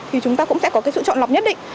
thì chúng ta cũng sẽ có cái sự chọn lọc nhất định